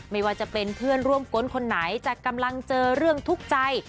ไม่ว่าจะเป็นเพื่อนร่วมก้นคนไหนจะกำลังเจอเรื่องทุกข์ใจ